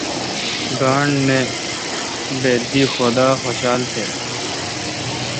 گانٹھ نہ۔ بہ یئ خدا خوشال تہ۔